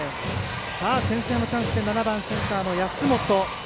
先制のチャンスで７番センターの安本です。